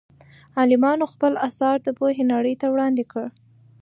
عالمانو خپل اثار د پوهې نړۍ ته وړاندې کړل.